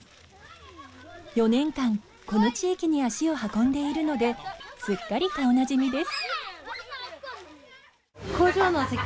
４年間この地域に足を運んでいるのですっかり顔なじみです。